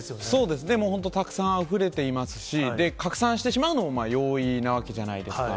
でも本当にたくさんあふれていますし、で、拡散してしまうのも容易なわけじゃないですか。